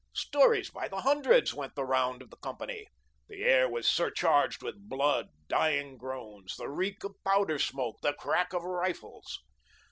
Stories by the hundreds went the round of the company. The air was surcharged with blood, dying groans, the reek of powder smoke, the crack of rifles.